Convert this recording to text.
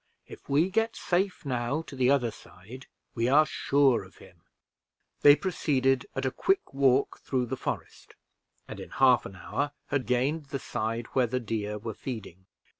If we get safe now to the other side, we are sure of him." They proceeded at a quick walk through the forest, and in half an hour had gained the side where the deer were feeding.